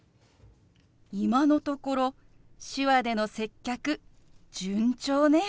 今のところ手話での接客順調ね。